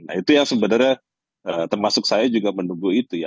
nah itu yang sebenarnya termasuk saya juga menunggu itu ya